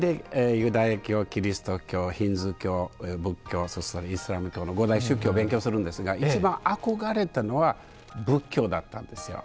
ユダヤ教キリスト教ヒンズー教仏教そしてイスラム教の５大宗教勉強するんですが一番憧れたのは仏教だったんですよ。